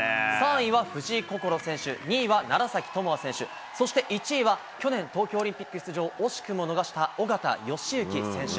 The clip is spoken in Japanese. ３位は藤井快選手、２位は楢崎智亜選手、そして１位は去年、東京オリンピック出場を惜しくも逃した緒方良行選手。